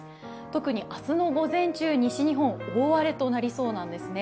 特に明日の午前中、西日本大荒れとなりそうなんですね。